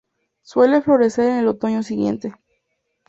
Suele florecer en el otoño siguiente.